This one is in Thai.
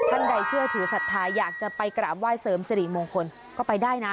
ท่านใดเชื่อถือศรัทธาอยากจะไปกราบไห้เสริมสิริมงคลก็ไปได้นะ